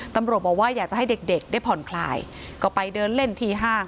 ตำรวจบอกว่าอยากจะให้เด็กได้ผ่อนคลายก็ไปเดินเล่นที่ห้าง